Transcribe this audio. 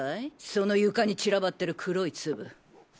その床に散らばってる黒い粒。